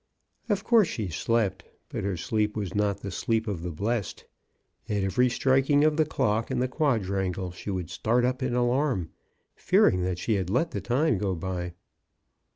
Of course she slept, but her sleep was not the sleep of the blest. At every striking of the clock in the quadrangle she would start up in alarm, fearing that she had let the time go by.